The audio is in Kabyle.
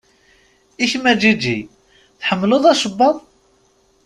I kemm a Ǧiǧi? Tḥemmleḍ acebbaḍ?